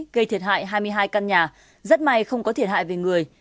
gây thiệt hại hai mươi hai căn nhà rất may không có thiệt hại về người